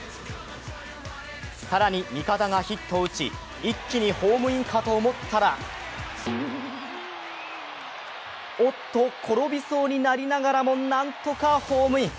更に、味方がヒットを打ち一気にホームインかと思ったらおっと、転びそうになりながらも、何とかホームイン。